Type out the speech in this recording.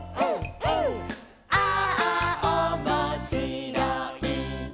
「ああおもしろい」